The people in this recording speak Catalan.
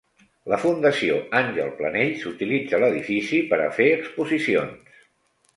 La Fundació Àngel Planells utilitza l'edifici per a fer exposicions.